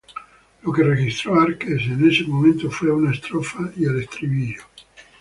Lo que registró Arques en ese momento fue una estrofa y el estribillo.